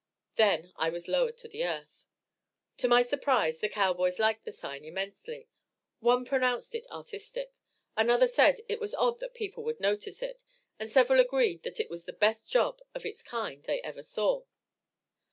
Then I was lowered to the earth. To my surprise, the cowboys liked the sign immensely. One pronounced it artistic, another said it was odd and people would notice it, and several agreed that it was the best job of its kind they ever saw.